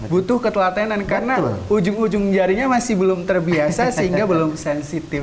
butuh ketelatenan karena ujung ujung jarinya masih belum terbiasa sehingga belum sensitif